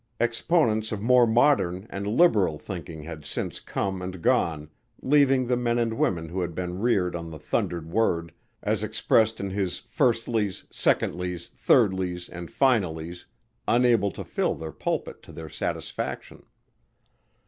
Exponents of more modern and liberal thinking had since come and gone leaving the men and women who had been reared on the thundered Word as expressed in his firstlies, secondlies, thirdlies and finalies unable to fill their pulpit to their satisfaction.